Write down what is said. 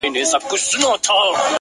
ستا خــوله كــي ټــپه اشــنا _